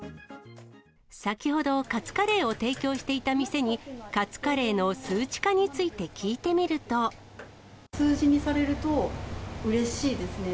先ほど、カツカレーを提供していた店に、カツカレーの数値化について聞い数字にされると、うれしいですね。